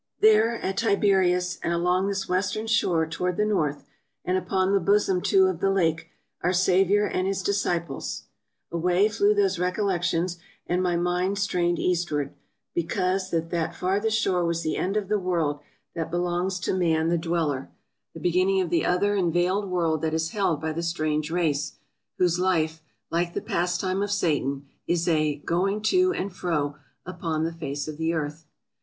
"There at Tiberias, and along this western shore to ward the north, and upon the bosom, too, of the lake, our Saviour and His disciples —" Away flew those recollec tions, and my mind strained eastward, because that that farthest shore was the end of the world that belongs to man the dweller — the beginning of the other and veiled world that is held by the strange race, whose life (like the pastime of Satan) is a " going to and fro upon the face of the earth.